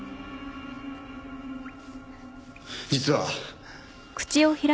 実は。